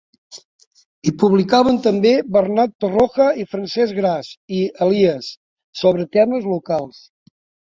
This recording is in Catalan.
Hi publicaven també Bernat Torroja i Francesc Gras i Elies, sobre temes locals.